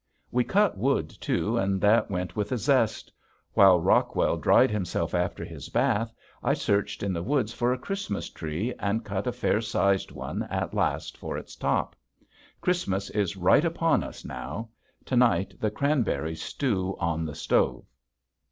We cut wood too, and that went with a zest. While Rockwell dried himself after his bath I searched in the woods for a Christmas tree and cut a fair sized one at last for its top. Christmas is right upon us now. To night the cranberries stew on the stove.